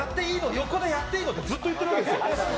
横でやっていいの？って、ずっと言ってるわけですよ。